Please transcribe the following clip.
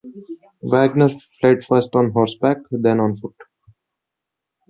Wagner fled first on horseback, then on foot.